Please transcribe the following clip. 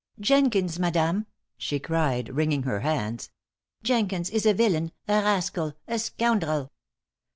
"Jenkins, madame," she cried, wringing her hands, "Jenkins is a villain, a rascal, a scoundrel."